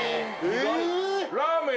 ラーメン